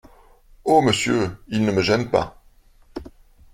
Oh ! monsieur, il ne me gêne pas !